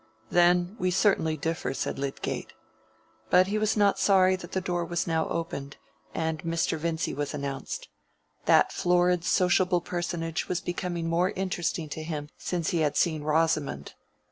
"There we certainly differ," said Lydgate. But he was not sorry that the door was now opened, and Mr. Vincy was announced. That florid sociable personage was become more interesting to him since he had seen Rosamond.